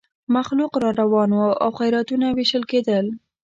مخلوق را روان وو او خیراتونه وېشل کېدل.